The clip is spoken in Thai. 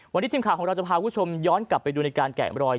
วันนี้ทีมข่าวของเราจะพาคุณผู้ชมย้อนกลับไปดูในการแกะรอย